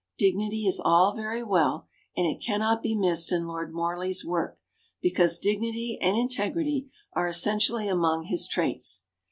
Dignity is all very well, and it cannot be missed in Lord Morley's work, because dignity and integrity are essentially among his traits.